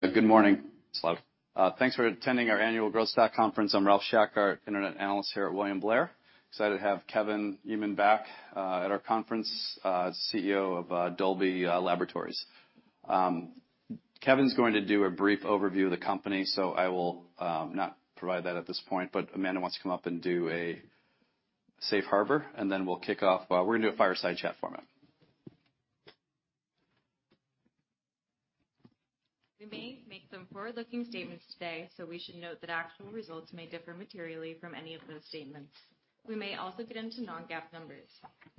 Good morning. Hello. Thanks for attending our annual Growth Stock Conference. I'm Ralph Schackart, Internet Analyst here at William Blair. Excited to have Kevin Yeaman back at our conference, CEO of Dolby Laboratories. Kevin's going to do a brief overview of the company. I will not provide that at this point. Amanda wants to come up and do a safe harbor. We'll kick off. We're gonna do a fireside chat format. We may make some forward-looking statements today, so we should note that actual results may differ materially from any of those statements. We may also get into non-GAAP numbers.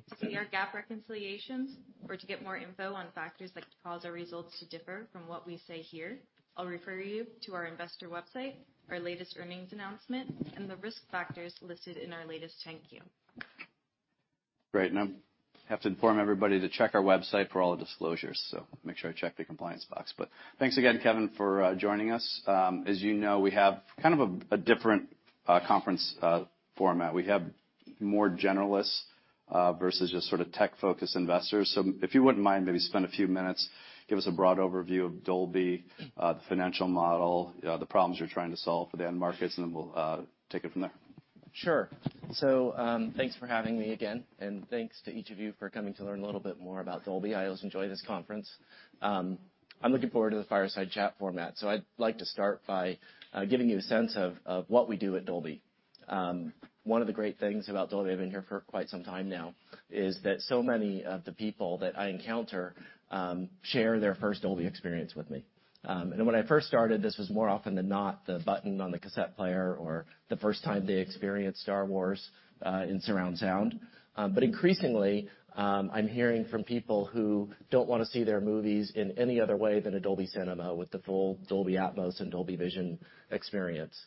To see our GAAP reconciliations or to get more info on factors that could cause our results to differ from what we say here, I'll refer you to our investor website, our latest earnings announcement, and the risk factors listed in our latest 10-Q. Great, and I have to inform everybody to check our website for all the disclosures. Make sure I check the compliance box. Thanks again, Kevin Yeaman, for joining us. As you know, we have kind of a different conference format. We have more generalists versus just sort of tech-focused investors. If you wouldn't mind, maybe spend a few minutes, give us a broad overview of Dolby, the financial model, the problems you're trying to solve for the end markets, and then we'll take it from there. Sure. Thanks for having me again, and thanks to each of you for coming to learn a little bit more about Dolby. I always enjoy this conference. I'm looking forward to the fireside chat format. I'd like to start by giving you a sense of what we do at Dolby. One of the great things about Dolby, I've been here for quite some time now, is that so many of the people that I encounter, share their first Dolby experience with me. When I first started, this was more often than not, the button on the cassette player or the first time they experienced Star Wars in surround sound. Increasingly, I'm hearing from people who don't wanna see their movies in any other way than a Dolby Cinema with the full Dolby Atmos and Dolby Vision experience.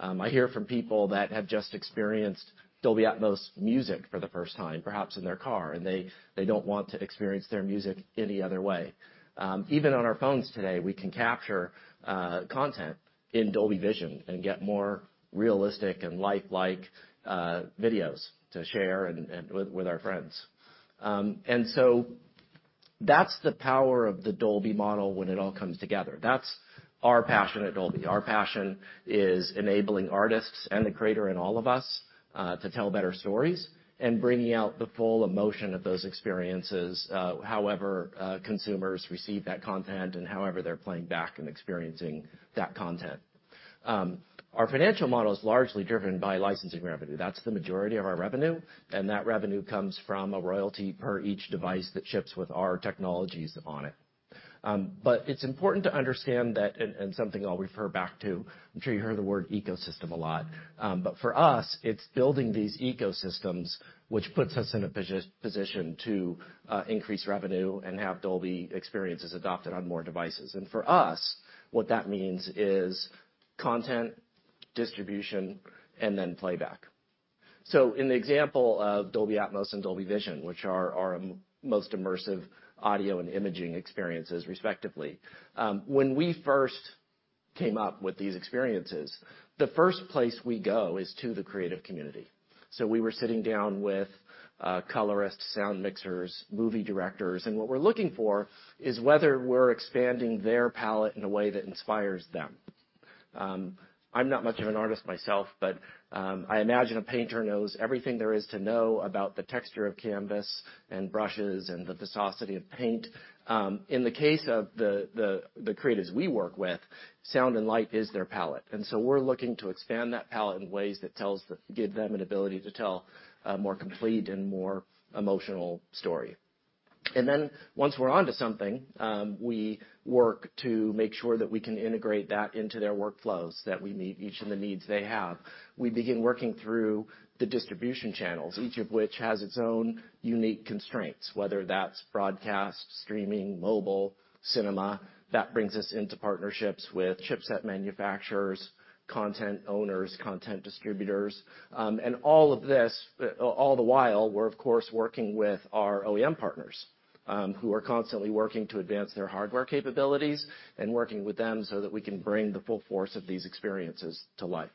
I hear from people that have just experienced Dolby Atmos music for the first time, perhaps in their car, and they don't want to experience their music any other way. Even on our phones today, we can capture content in Dolby Vision and get more realistic and lifelike videos to share and with our friends. That's the power of the Dolby model when it all comes together. That's our passion at Dolby. Our passion is enabling artists and the creator in all of us, to tell better stories, and bringing out the full emotion of those experiences, however, consumers receive that content and however they're playing back and experiencing that content. Our financial model is largely driven by licensing revenue. That's the majority of our revenue, and that revenue comes from a royalty per each device that ships with our technologies on it. It's important to understand that, and something I'll refer back to, I'm sure you heard the word ecosystem a lot. For us, it's building these ecosystems, which puts us in a position to increase revenue and have Dolby experiences adopted on more devices. For us, what that means is content, distribution, and then playback. In the example of Dolby Atmos and Dolby Vision, which are our most immersive audio and imaging experiences, respectively, when we first came up with these experiences, the first place we go is to the creative community. We were sitting down with colorists, sound mixers, movie directors, and what we're looking for is whether we're expanding their palette in a way that inspires them. I'm not much of an artist myself, but I imagine a painter knows everything there is to know about the texture of canvas, and brushes, and the viscosity of paint. In the case of the creatives we work with, sound and light is their palette, and so we're looking to expand that palette in ways that give them an ability to tell a more complete and more emotional story. Once we're onto something, we work to make sure that we can integrate that into their workflows, that we meet each of the needs they have. We begin working through the distribution channels, each of which has its own unique constraints, whether that's broadcast, streaming, mobile, cinema. That brings us into partnerships with chipset manufacturers, content owners, content distributors, and all of this, all the while, we're of course working with our OEM partners, who are constantly working to advance their hardware capabilities and working with them so that we can bring the full force of these experiences to life.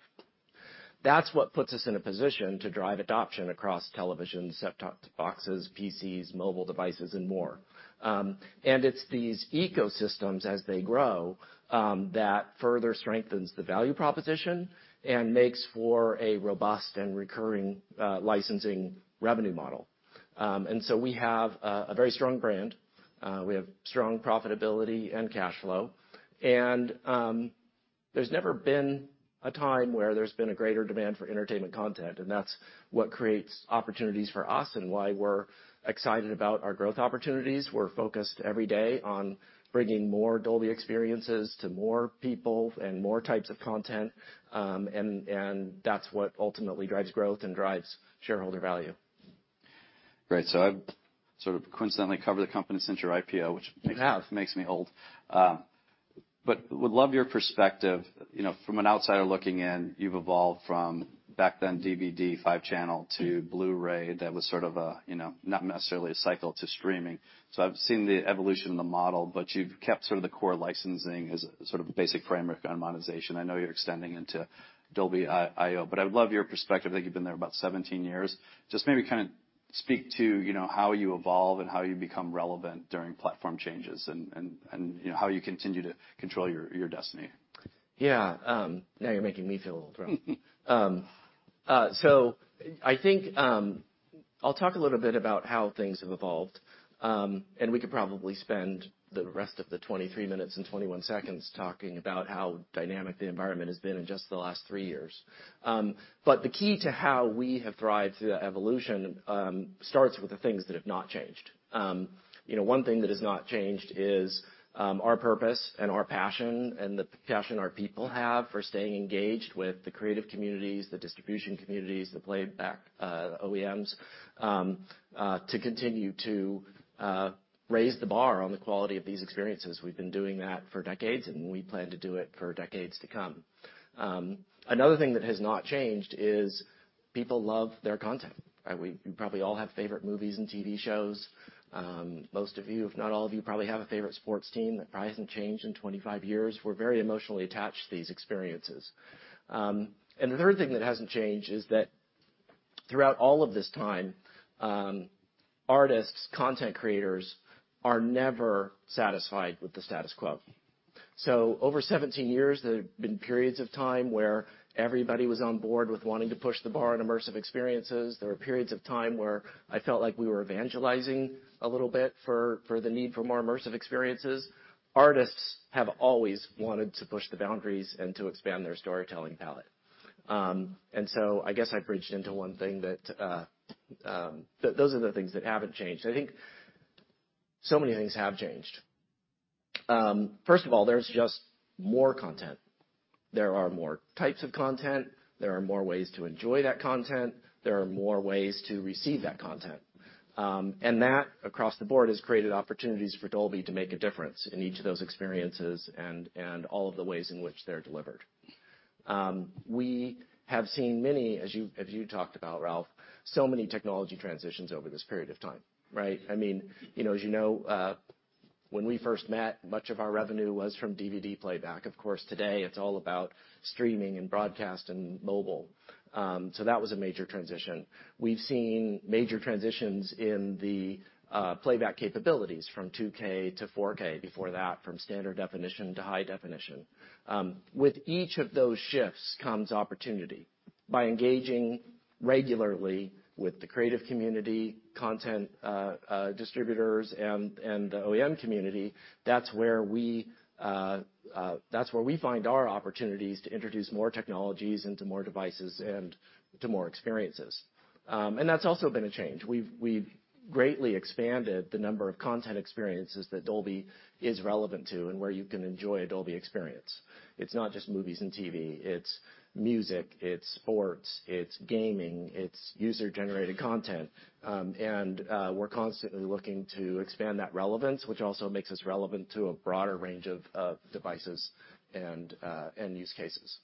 That's what puts us in a position to drive adoption across television, set-top boxes, PCs, mobile devices, and more. It's these ecosystems, as they grow, that further strengthens the value proposition and makes for a robust and recurring licensing revenue model. We have a very strong brand. We have strong profitability and cash flow, and there's never been a time where there's been a greater demand for entertainment content, and that's what creates opportunities for us and why we're excited about our growth opportunities. We're focused every day on bringing more Dolby experiences to more people and more types of content, and that's what ultimately drives growth and drives shareholder value. Great. I've sort of coincidentally covered the company since your IPO. Wow! makes me old. Would love your perspective. You know, from an outsider looking in, you've evolved from back then, DVD five channel to Blu-ray, that was sort of a, you know, not necessarily a cycle to streaming. I've seen the evolution in the model, but you've kept sort of the core licensing as sort of a basic framework on monetization. I know you're extending into Dolby.io, but I'd love your perspective, I think you've been there about 17 years. Just maybe speak to, you know, how you evolve and how you become relevant during platform changes, and, you know, how you continue to control your destiny. Yeah, now you're making me feel a little thrown. I think, I'll talk a little bit about how things have evolved, and we could probably spend the rest of the 23 minutes and 21 seconds talking about how dynamic the environment has been in just the last three years. The key to how we have thrived through that evolution, starts with the things that have not changed. You know, one thing that has not changed is, our purpose and our passion, and the passion our people have for staying engaged with the creative communities, the distribution communities, the playback, OEMs, to continue to raise the bar on the quality of these experiences. We've been doing that for decades, and we plan to do it for decades to come. Another thing that has not changed is people love their content, right? We probably all have favorite movies and TV shows. Most of you, if not all of you, probably have a favorite sports team that probably hasn't changed in 25 years. We're very emotionally attached to these experiences. Another thing that hasn't changed is that throughout all of this time, artists, content creators are never satisfied with the status quo. Over 17 years, there have been periods of time where everybody was on board with wanting to push the bar on immersive experiences. There were periods of time where I felt like we were evangelizing a little bit for the need for more immersive experiences. Artists have always wanted to push the boundaries and to expand their storytelling palette. I guess I've bridged into one thing that. Those are the things that haven't changed. I think so many things have changed. First of all, there's just more content. There are more types of content, there are more ways to enjoy that content, there are more ways to receive that content. That, across the board, has created opportunities for Dolby to make a difference in each of those experiences and all of the ways in which they're delivered. We have seen many, as you talked about, Ralph, so many technology transitions over this period of time, right? I mean, you know, as you know, when we first met, much of our revenue was from DVD playback. Of course, today, it's all about streaming and broadcast and mobile. That was a major transition. We've seen major transitions in the playback capabilities from 2K to 4K. Before that, from standard definition to high definition. With each of those shifts comes opportunity. By engaging regularly with the creative community, content distributors, and the OEM community, that's where we find our opportunities to introduce more technologies into more devices and to more experiences. That's also been a change. We've greatly expanded the number of content experiences that Dolby is relevant to and where you can enjoy a Dolby experience. It's not just movies and TV. It's music, it's sports, it's gaming, it's user-generated content. We're constantly looking to expand that relevance, which also makes us relevant to a broader range of devices and use cases.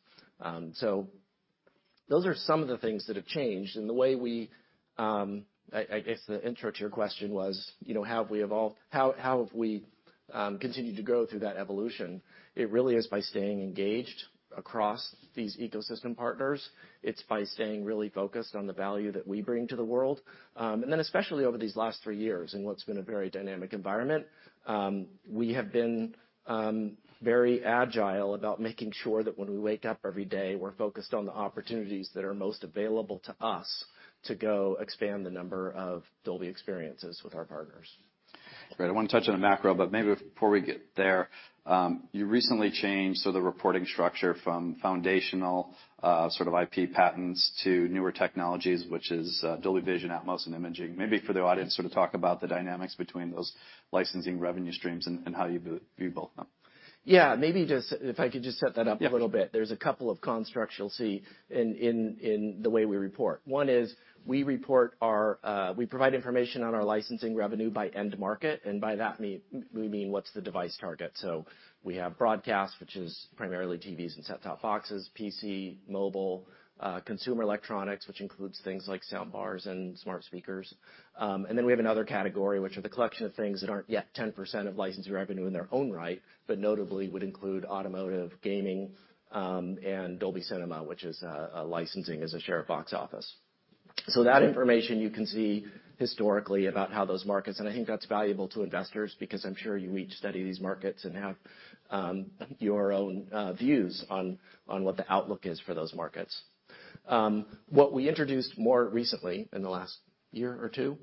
Those are some of the things that have changed, and the way we, I guess the intro to your question was, you know, how have we evolved? How have we continued to grow through that evolution? It really is by staying engaged across these ecosystem partners. It's by staying really focused on the value that we bring to the world. Especially over these last three years, in what's been a very dynamic environment, we have been very agile about making sure that when we wake up every day, we're focused on the opportunities that are most available to us to go expand the number of Dolby experiences with our partners. Great. I wanna touch on the macro, but maybe before we get there, you recently changed, so the reporting structure from foundational, sort of IP patents to newer technologies, which is Dolby Vision, Atmos, and Imaging. Maybe for the audience, sort of talk about the dynamics between those licensing revenue streams and how you view both of them. Yeah. Maybe just, if I could just set that up. Yeah... a little bit. There's a couple of constructs you'll see in the way we report. One is we provide information on our licensing revenue by end market, and by that we mean, what's the device target? So we have broadcast, which is primarily TVs and set-top boxes, PC, mobile, consumer electronics, which includes things like sound bars and smart speakers. Then we have another category, which are the collection of things that aren't yet 10% of licensing revenue in their own right, but notably would include automotive, gaming, and Dolby Cinema, which is a licensing as a share of box office. That information you can see historically about how those markets, and I think that's valuable to investors because I'm sure you each study these markets and have your own views on what the outlook is for those markets. What we introduced more recently, in the last year or two,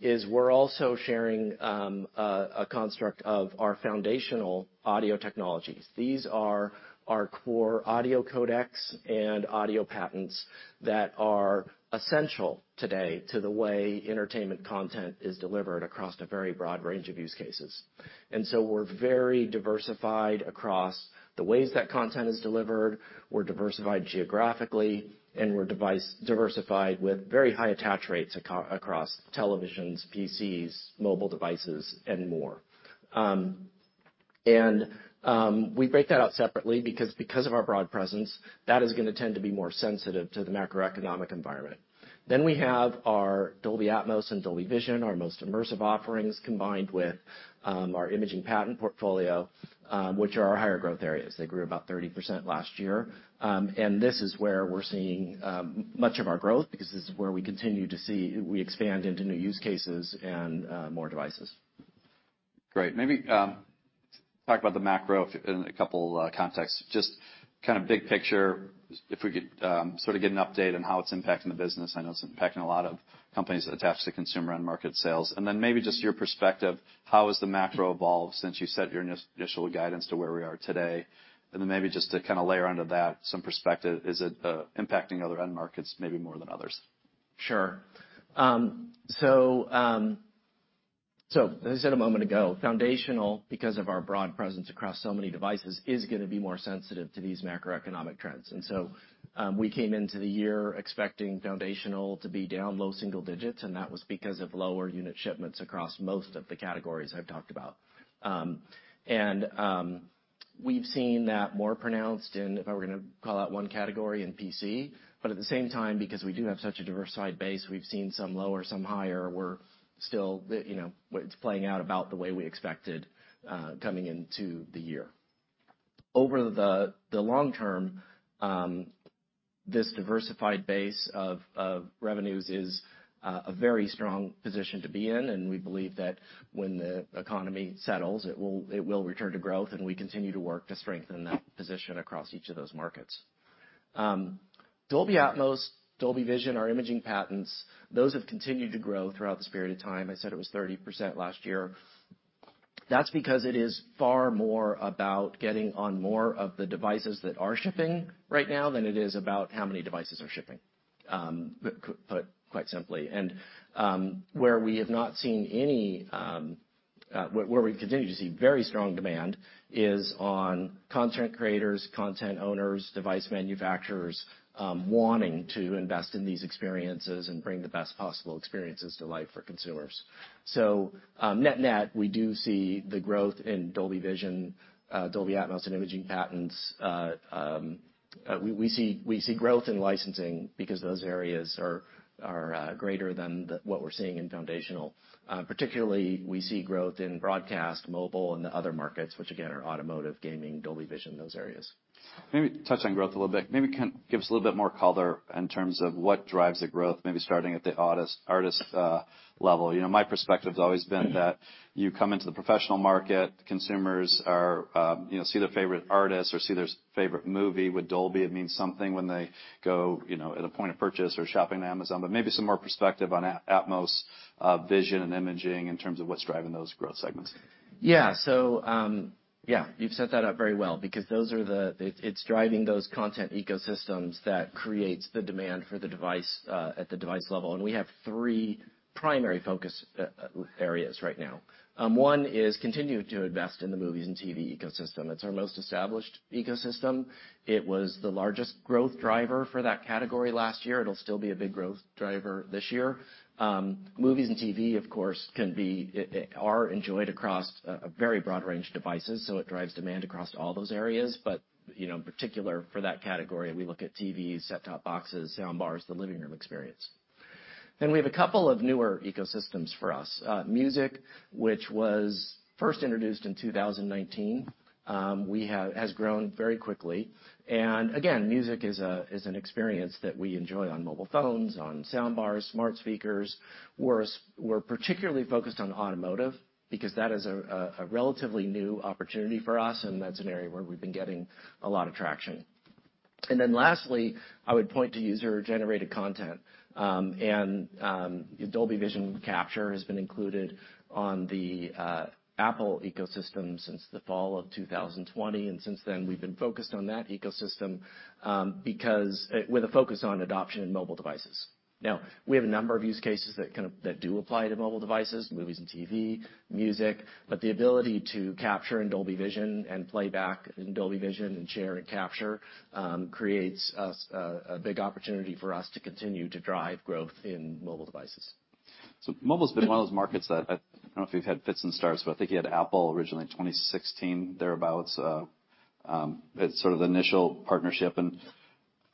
is we're also sharing a construct of our foundational audio technologies. These are our core audio codecs and audio patents that are essential today to the way entertainment content is delivered across a very broad range of use cases. We're very diversified across the ways that content is delivered, we're diversified geographically, and we're diversified with very high attach rates across televisions, PCs, mobile devices, and more. We break that out separately, because of our broad presence, that is gonna tend to be more sensitive to the macroeconomic environment. We have our Dolby Atmos and Dolby Vision, our most immersive offerings, combined with our imaging patent portfolio, which are our higher growth areas. They grew about 30% last year. This is where we're seeing much of our growth, because this is where we continue to expand into new use cases and more devices. Great. Maybe, talk about the macro in a couple, contexts. Just kind of big picture, if we could, sort of get an update on how it's impacting the business. I know it's impacting a lot of companies that attach to consumer end market sales. Then maybe just your perspective, how has the macro evolved since you set your initial guidance to where we are today? Then maybe just to kind of layer onto that, some perspective, is it impacting other end markets maybe more than others? Sure. As I said a moment ago, foundational, because of our broad presence across so many devices, is gonna be more sensitive to these macroeconomic trends. We came into the year expecting foundational to be down low single digits, and that was because of lower unit shipments across most of the categories I've talked about. We've seen that more pronounced in, if I were gonna call out one category, in PC, but at the same time, because we do have such a diversified base, we've seen some lower, some higher. We're still, you know, it's playing out about the way we expected, coming into the year. Over the long term, this diversified base of revenues is a very strong position to be in, and we believe that when the economy settles, it will return to growth, and we continue to work to strengthen that position across each of those markets. Dolby Atmos, Dolby Vision, our imaging patents, those have continued to grow throughout this period of time. I said it was 30% last year. That's because it is far more about getting on more of the devices that are shipping right now than it is about how many devices are shipping, put quite simply. Where we continue to see very strong demand is on content creators, content owners, device manufacturers, wanting to invest in these experiences and bring the best possible experiences to life for consumers. Net-net, we do see the growth in Dolby Vision, Dolby Atmos, and imaging patents. We see growth in licensing because those areas are greater than what we're seeing in foundational. Particularly, we see growth in broadcast, mobile, and the other markets, which again, are automotive, gaming, Dolby Vision, those areas. Maybe touch on growth a little bit. Maybe kind of give us a little bit more color in terms of what drives the growth, maybe starting at the artist level. You know, my perspective's always been that you come into the professional market, consumers are, you know, see their favorite artist or see their favorite movie. With Dolby, it means something when they go, you know, at a point of purchase or shopping on Amazon. Maybe some more perspective on Atmos, Vision, and imaging in terms of what's driving those growth segments. Yeah, you've set that up very well because it's driving those content ecosystems that creates the demand for the device at the device level, and we have three primary focus areas right now. One is continuing to invest in the movies and TV ecosystem. It's our most established ecosystem. It was the largest growth driver for that category last year. It'll still be a big growth driver this year. Movies and TV, of course, can be enjoyed across a very broad range of devices, it drives demand across all those areas. You know, in particular for that category, we look at TVs, set-top boxes, soundbars, the living room experience. We have a couple of newer ecosystems for us. Music, which was first introduced in 2019, has grown very quickly, and again, music is an experience that we enjoy on mobile phones, on soundbars, smart speakers. We're particularly focused on automotive because that is a relatively new opportunity for us, and that's an area where we've been getting a lot of traction. Lastly, I would point to user-generated content. Dolby Vision Capture has been included on the Apple ecosystem since the fall of 2020, and since then, we've been focused on that ecosystem because with a focus on adoption in mobile devices. Now, we have a number of use cases that do apply to mobile devices, movies and TV, music, but the ability to capture in Dolby Vision and play back in Dolby Vision and share and capture creates a big opportunity for us to continue to drive growth in mobile devices. Mobile's been one of those markets that, I don't know if you've had fits and starts, but I think you had Apple originally in 2016, thereabouts, as sort of the initial partnership. I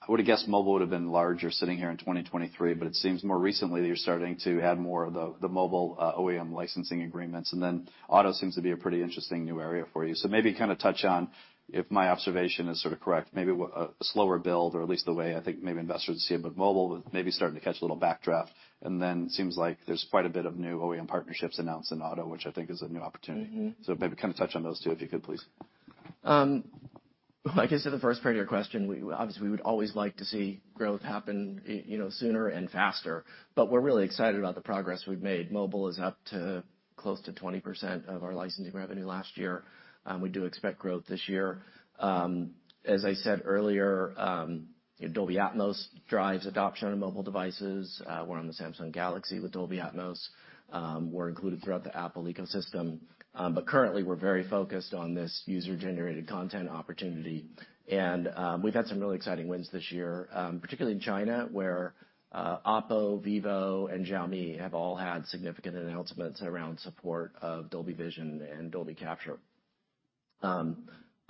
would have guessed mobile would have been larger sitting here in 2023, but it seems more recently that you're starting to add more of the mobile, OEM licensing agreements, and then auto seems to be a pretty interesting new area for you. Maybe kind of touch on if my observation is sort of correct, maybe a slower build, or at least the way I think maybe investors see it, but mobile maybe starting to catch a little backdraft. It seems like there's quite a bit of new OEM partnerships announced in auto, which I think is a new opportunity. Mm-hmm. Maybe kind of touch on those two, if you could, please. Like I said, the first part of your question, obviously, we would always like to see growth happen, you know, sooner and faster, but we're really excited about the progress we've made. Mobile is up to close to 20% of our licensing revenue last year. We do expect growth this year. As I said earlier, Dolby Atmos drives adoption on mobile devices. We're on the Samsung Galaxy with Dolby Atmos. We're included throughout the Apple ecosystem. Currently, we're very focused on this user-generated content opportunity, and we've had some really exciting wins this year, particularly in China, where OPPO, vivo, and Xiaomi have all had significant announcements around support of Dolby Vision and Dolby Capture.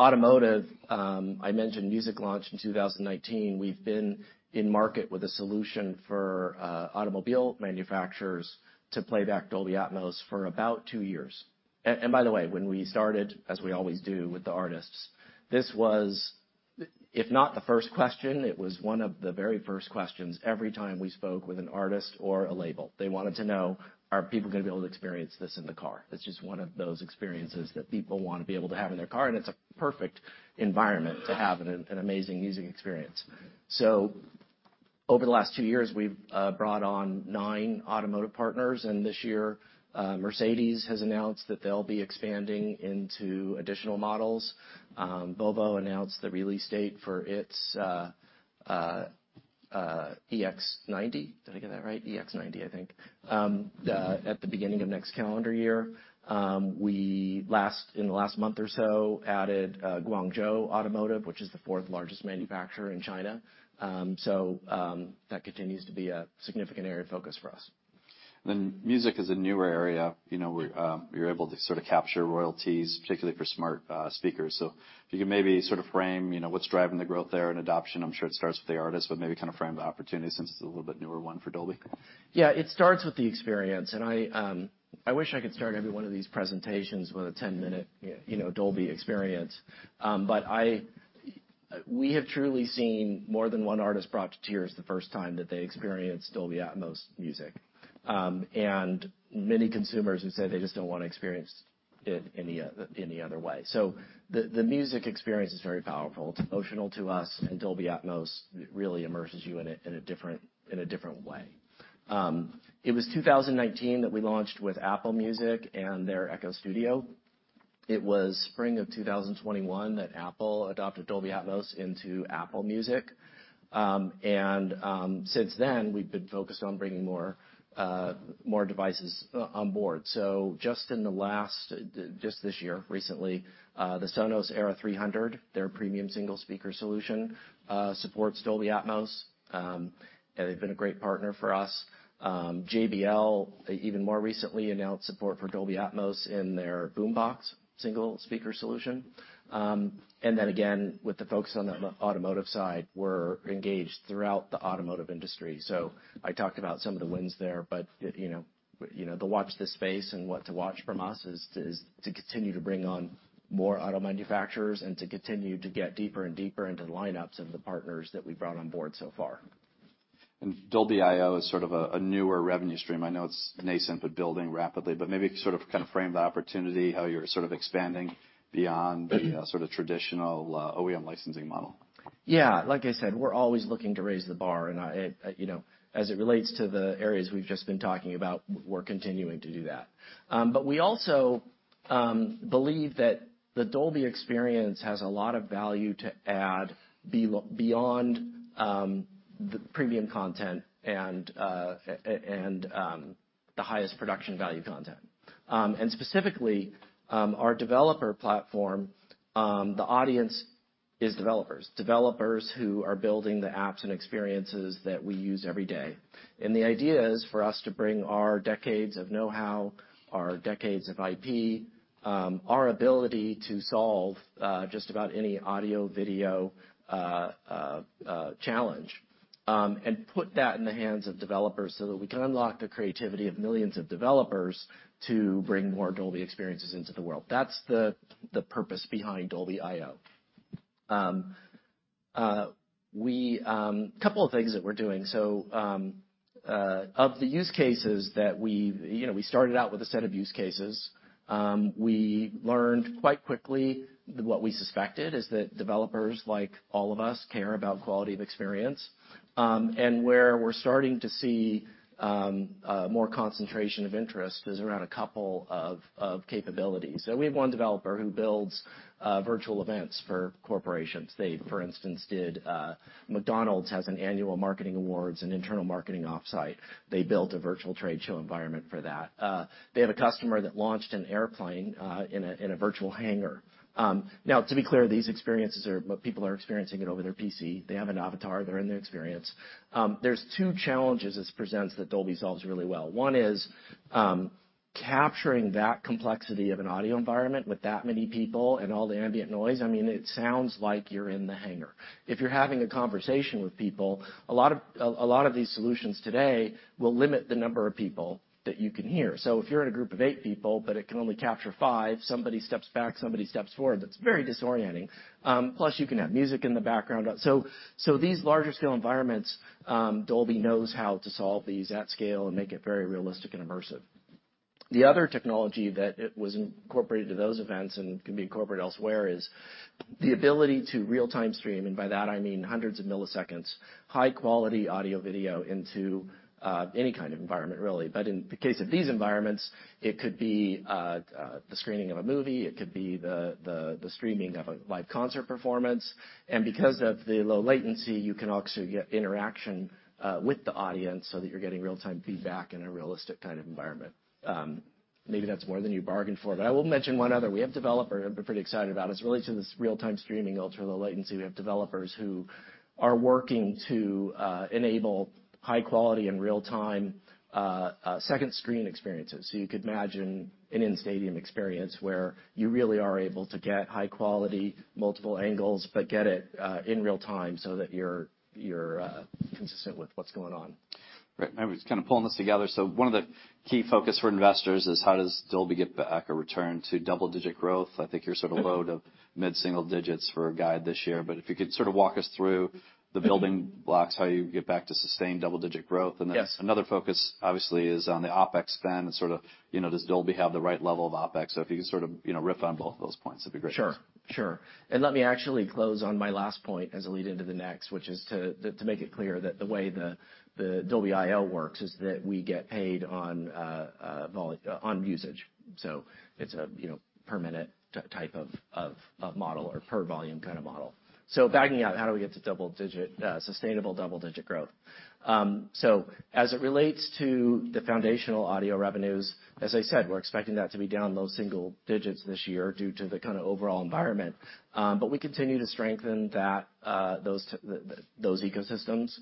Automotive, I mentioned music launch in 2019. We've been in market with a solution for automobile manufacturers to play back Dolby Atmos for about two years. By the way, when we started, as we always do with the artists, if not the first question, it was one of the very first questions every time we spoke with an artist or a label. They wanted to know, are people gonna be able to experience this in the car? It's just one of those experiences that people want to be able to have in their car, and it's a perfect environment to have an amazing music experience. Over the last two years, we've brought on nine automotive partners, and this year, Mercedes has announced that they'll be expanding into additional models. Volvo announced the release date for its EX90. Did I get that right? EX90, I think. At the beginning of next calendar year, we last, in the last month or so, added Guangzhou Automotive, which is the fourth largest manufacturer in China. That continues to be a significant area of focus for us. Music is a newer area, you know, where you're able to sort of capture royalties, particularly for smart speakers. If you could maybe sort of frame, you know, what's driving the growth there and adoption. I'm sure it starts with the artist, but maybe kind of frame the opportunity since it's a little bit newer one for Dolby. Yeah, it starts with the experience, and I wish I could start every one of these presentations with a 10-minute, you know, Dolby experience. We have truly seen more than one artist brought to tears the first time that they experienced Dolby Atmos music. Many consumers who said they just don't wanna experience it any other way. The music experience is very powerful. It's emotional to us, and Dolby Atmos really immerses you in a different way. It was 2019 that we launched with Apple Music and their Echo Studio. It was spring of 2021 that Apple adopted Dolby Atmos into Apple Music. Since then, we've been focused on bringing more devices on board. Just in the last... Just this year, recently, the Sonos Era 300, their premium single speaker solution, supports Dolby Atmos. They've been a great partner for us. JBL, even more recently, announced support for Dolby Atmos in their Boombox single speaker solution. Then again, with the focus on the automotive side, we're engaged throughout the automotive industry. I talked about some of the wins there, but, you know, the watch this space and what to watch from us is to continue to bring on more auto manufacturers and to continue to get deeper and deeper into the lineups of the partners that we've brought on board so far. Dolby.io is sort of a newer revenue stream. I know it's nascent, but building rapidly, but maybe sort of kind of frame the opportunity, how you're sort of expanding beyond the, sort of traditional, OEM licensing model. Yeah, like I said, we're always looking to raise the bar, and you know, as it relates to the areas we've just been talking about, we're continuing to do that. We also believe that the Dolby experience has a lot of value to add beyond the premium content and the highest production value content. Specifically, our developer platform, the audience is developers who are building the apps and experiences that we use every day. The idea is for us to bring our decades of know-how, our decades of IP, our ability to solve just about any audio-video challenge, and put that in the hands of developers so that we can unlock the creativity of millions of developers to bring more Dolby experiences into the world. That's the purpose behind Dolby.io. A couple of things that we're doing. Of the use cases that we, you know, we started out with a set of use cases. We learned quite quickly what we suspected, is that developers, like all of us, care about quality of experience. Where we're starting to see more concentration of interest is around a couple of capabilities. We have one developer who builds virtual events for corporations. They, for instance, did, McDonald's has an annual marketing awards and internal marketing off-site. They built a virtual trade show environment for that. They have a customer that launched an airplane in a virtual hangar. Now, to be clear, people are experiencing it over their PC. They have an avatar. They're in the experience. There's two challenges this presents that Dolby solves really well. One is, capturing that complexity of an audio environment with that many people and all the ambient noise. I mean, it sounds like you're in the hangar. If you're having a conversation with people, a lot of these solutions today will limit the number of people that you can hear. If you're in a group of eight people, but it can only capture five, somebody steps back, somebody steps forward. That's very disorienting. Plus, you can have music in the background. These larger scale environments, Dolby knows how to solve these at scale and make it very realistic and immersive. The other technology that it was incorporated to those events and can be incorporated elsewhere, is the ability to real-time stream, and by that I mean hundreds of milliseconds, high-quality audio-video into any kind of environment, really. In the case of these environments, it could be the screening of a movie, it could be the streaming of a live concert performance. Because of the low latency, you can also get interaction with the audience so that you're getting real-time feedback in a realistic kind of environment. Maybe that's more than you bargained for. I will mention one other. We have a developer that we're pretty excited about. It's related to this real-time streaming, ultra-low latency. We have developers who are working to enable high quality and real-time second screen experiences. You could imagine an in-stadium experience where you really are able to get high quality, multiple angles, but get it in real time so that you're consistent with what's going on. ... Right, maybe it's kind of pulling this together. One of the key focus for investors is how does Dolby get back or return to double-digit growth? I think you're sort of low to mid-single digits for a guide this year, but if you could sort of walk us through the building blocks, how you get back to sustained double-digit growth? Yes. Another focus, obviously, is on the OpEx spend, and sort of, you know, does Dolby have the right level of OpEx? If you could sort of, you know, riff on both of those points, that'd be great. Sure. Let me actually close on my last point as I lead into the next, which is to make it clear that the way the Dolby IL works is that we get paid on usage. It's a, you know, per-minute type of model or per-volume kind of model. Backing out, how do we get to double digit sustainable double-digit growth? As it relates to the foundational audio revenues, as I said, we're expecting that to be down low single digits this year due to the kind of overall environment. We continue to strengthen that, those ecosystems.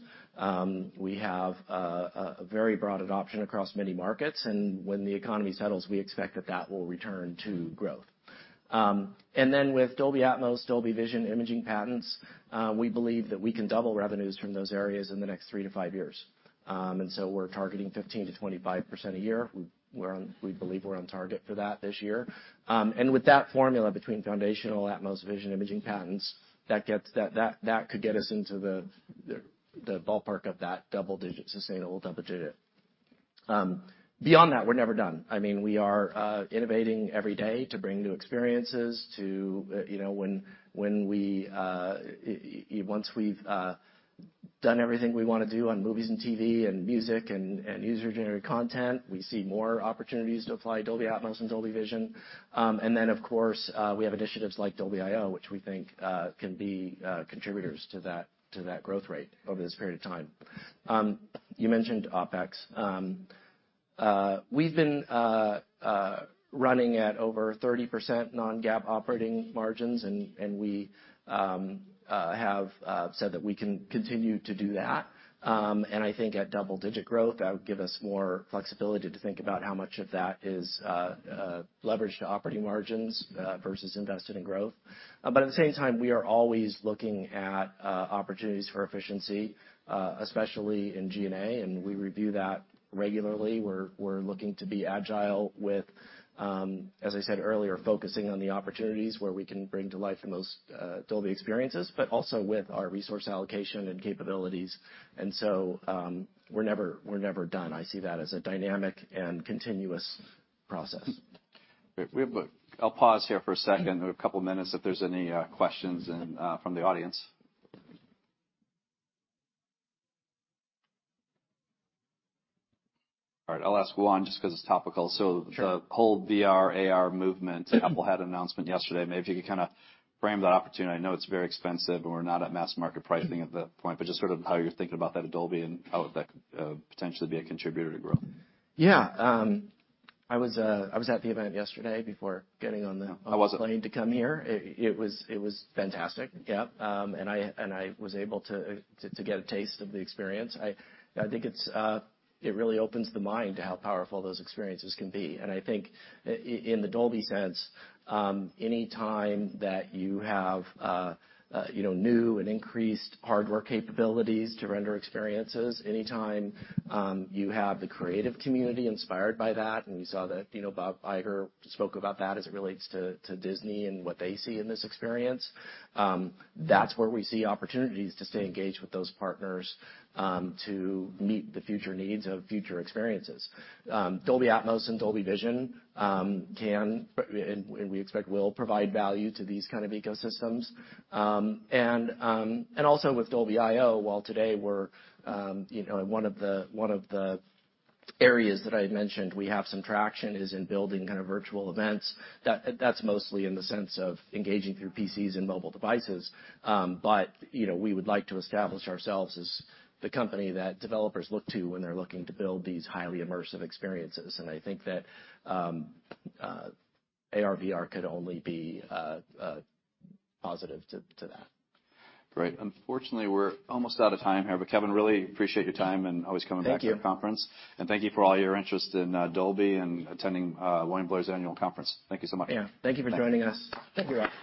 We have a very broad adoption across many markets, and when the economy settles, we expect that that will return to growth. With Dolby Atmos, Dolby Vision imaging patents, we believe that we can double revenues from those areas in the next three to five years. We're targeting 15%-25% a year. We believe we're on target for that this year. With that formula, between foundational Atmos Vision imaging patents, that could get us into the ballpark of that double digit, sustainable double digit. Beyond that, we're never done. I mean, we are innovating every day to bring new experiences, to, you know, when we... Once we've done everything we wanna do on movies and TV and music and user-generated content, we see more opportunities to apply Dolby Atmos and Dolby Vision. Of course, we have initiatives like Dolby.io, which we think can be contributors to that, to that growth rate over this period of time. You mentioned OpEx. We've been running at over 30% non-GAAP operating margins, and we have said that we can continue to do that. I think at double-digit growth, that would give us more flexibility to think about how much of that is leverage to operating margins versus invested in growth. At the same time, we are always looking at opportunities for efficiency, especially in G&A, and we review that regularly. We're looking to be agile with, as I said earlier, focusing on the opportunities where we can bring to life the most, Dolby experiences, but also with our resource allocation and capabilities. We're never done. I see that as a dynamic and continuous process. Great. We have I'll pause here for a second or a couple minutes if there's any questions and from the audience. All right, I'll ask one just because it's topical. Sure. The whole VR, AR movement, Apple had an announcement yesterday. Maybe if you could kind of frame that opportunity? I know it's very expensive, and we're not at mass market pricing at that point, but just sort of how you're thinking about that at Dolby, and how would that potentially be a contributor to growth? Yeah, I was at the event yesterday before getting on... I wasn't. -plane to come here. It was fantastic. Yeah, I was able to get a taste of the experience. I think it's it really opens the mind to how powerful those experiences can be. I think in the Dolby sense, any time that you have, you know, new and increased hardware capabilities to render experiences, anytime you have the creative community inspired by that, we saw that, you know, Bob Iger spoke about that as it relates to Disney and what they see in this experience, that's where we see opportunities to stay engaged with those partners to meet the future needs of future experiences. Dolby Atmos and Dolby Vision can, and we expect will, provide value to these kind of ecosystems. Also with Dolby.io, while today we're, you know, and one of the, one of the areas that I had mentioned we have some traction is in building kind of virtual events. That's mostly in the sense of engaging through PCs and mobile devices, but, you know, we would like to establish ourselves as the company that developers look to when they're looking to build these highly immersive experiences. I think that AR/VR could only be positive to that. Great. Unfortunately, we're almost out of time here, but Kevin, really appreciate your time, and always coming back to the conference. Thank you. Thank you for all your interest in Dolby and attending William Blair's annual conference. Thank you so much. Yeah. Thank you for joining us. Thank you, everyone.